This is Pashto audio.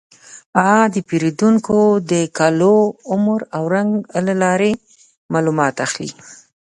هغه د پیریدونکو د کالو، عمر او رنګ له لارې معلومات اخلي.